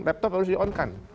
laptop harus di on kan